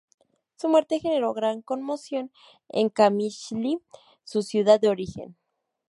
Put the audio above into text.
Su muerte generó gran conmoción en Qamishli su ciudad de origen.